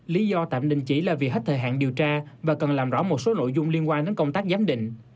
lý do tạm đình chỉ là vì hết thời hạn điều tra và cần làm rõ một số nội dung liên quan đến công tác giám định